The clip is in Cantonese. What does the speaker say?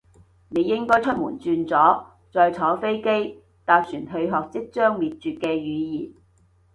你應該出門轉左，再坐飛機，搭船去學即將滅絕嘅語言